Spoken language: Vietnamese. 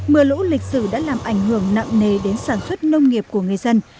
mưa lũ lịch sử đã làm ảnh hưởng nặng nề đến sản xuất nông nghiệp của người dân